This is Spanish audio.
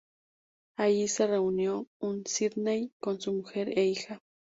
Allí se reunió en Sidney con su mujer e hija.